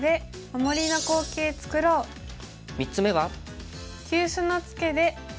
３つ目は。